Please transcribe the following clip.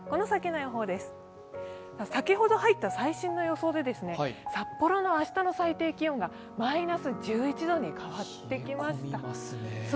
先ほど入った最新の予想で札幌の明日の最低気温がマイナス１１度に変わってきました。